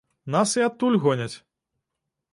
Нас і адтуль гоняць.